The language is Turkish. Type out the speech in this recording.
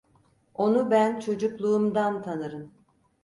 Onu ben çocukluğumdan tanırım.